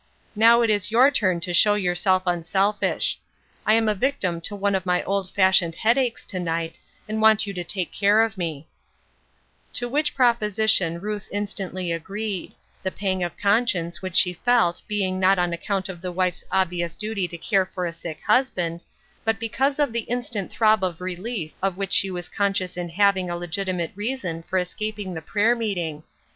Now it is your turn to show yourself unselfish. I'm a victim to one of my old fashioned head aches, to night, and want you to take care of me. " These Be Thy Godsr 403 To which proposition Ruth instantly agreed — the pang of conscience which she felt being not on account of the wife's obvious duty to care for a sick husband, but because of the instant throb of relief of which she was conscious in having a legitimate reason for escaping the prayer meet ing.